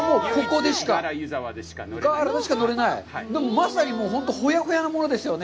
でも、まさに、もう本当にほやほやのものですよね。